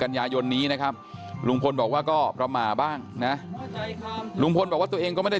กันยายนนี้นะครับลุงพลบอกว่าก็ประมาทบ้างนะลุงพลบอกว่าตัวเองก็ไม่ได้